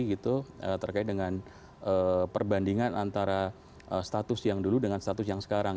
gitu terkait dengan perbandingan antara status yang dulu dengan status yang sekarang